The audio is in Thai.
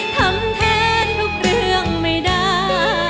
ทำแทนทุกเรื่องไม่ได้